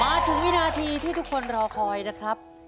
มาถึงวินาทีที่ทุกคนรอคอยนะครับ